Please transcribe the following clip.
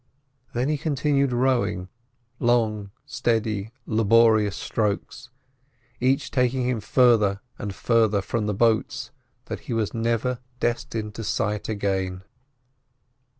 Then he continued rowing, long, steady, laborious strokes, each taking him further and further from the boats that he was never destined to sight again.